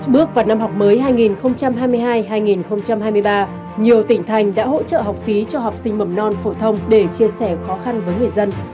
bước vào năm học mới hai nghìn hai mươi hai hai nghìn hai mươi ba nhiều tỉnh thành đã hỗ trợ học phí cho học sinh mầm non phổ thông để chia sẻ khó khăn với người dân